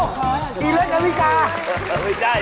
อ๋อไปเล่นกับวิซาร์